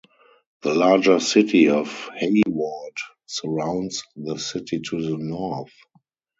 The larger City of Hayward surrounds the city to the north.